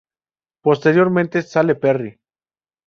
Posteriormente sale Perry.